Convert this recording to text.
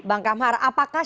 bang kamhar apakah